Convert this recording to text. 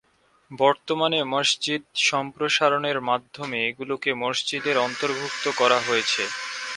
বর্তমানে মসজিদ সম্প্রসারণের মাধ্যমে এগুলোকে মসজিদের অন্তর্ভুক্ত করা হয়েছে।